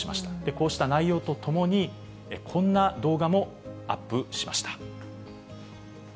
こうした内容とともに、こんな動画もアップしました。